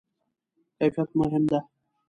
کیفیت مهم ده؟